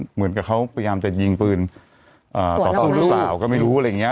เหมือนกับเขาพยายามจะยิงปืนต่อสู้หรือเปล่าก็ไม่รู้อะไรอย่างเงี้